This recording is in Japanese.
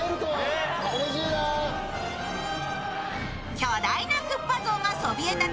巨大なクッパ像がそびえ立つ